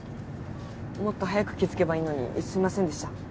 もっと早く気づけばいいのにすみませんでした。